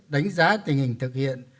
đánh giá tình hình thực hiện